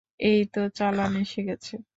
এইতো চালান এসে গেছে।